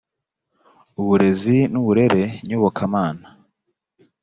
uburezi n’uburere nyobokamana